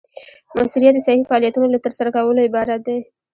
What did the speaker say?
مؤثریت د صحیح فعالیتونو له ترسره کولو عبارت دی.